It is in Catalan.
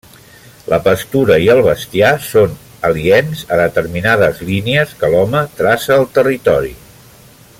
La pastura i el bestiar són aliens a determinades línies que l'home traça al territori.